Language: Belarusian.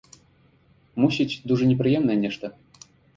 Мусіць, дужа непрыемнае нешта?